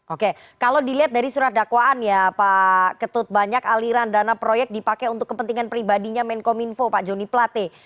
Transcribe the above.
oke kalau dilihat dari surat dakwaan ya pak ketut banyak aliran dana proyek dipakai untuk kepentingan pribadinya menkominfo pak joni plate